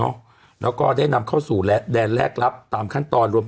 คบกำหนดในการแยกห้องกัดตัว๕วันแล้ว